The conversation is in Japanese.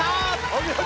お見事！